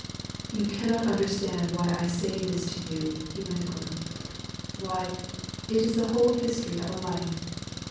" You cannot understand why I say this to you," he went on. " Why, it is the whole history of a life.